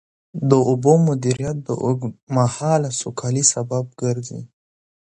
د اوبو سم مدیریت د اوږدمهاله سوکالۍ سبب ګرځي.